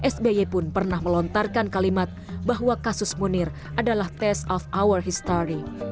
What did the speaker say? sby pun pernah melontarkan kalimat bahwa kasus munir adalah test of hour history